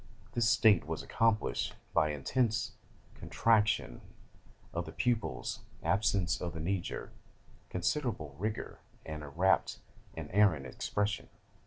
This state was accompanied by an intense contraction of the pupils, absence of the knee jerk, considerable rigor, and a rapt and arrant expression.